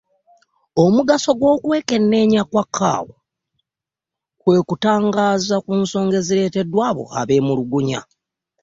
Omugaso gw’okwekenneenya kwa CAO kwe ku kutangaaza ku nsonga ezireteddwa abo abemulugunya.